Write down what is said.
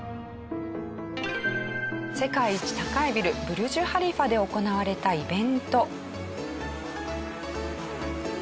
世界一高いビルブルジュ・ハリファで行われたイベント。